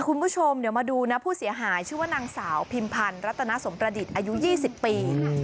คุณผู้ชมเดี๋ยวมาดูนะผู้เสียหายชื่อว่านางสาวพิมพันธ์รัตนสมประดิษฐ์อายุ๒๐ปี